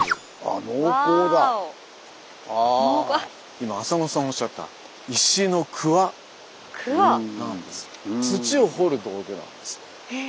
今浅野さんおっしゃった土を掘る道具なんです。